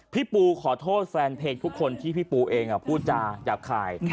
พี่ปูขอโทษแฟนเพลงทุกคนที่พี่ปูเองพูดจาหยาบคาย